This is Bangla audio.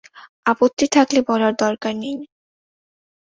আপত্তি থাকলে বলার দরকার নেই।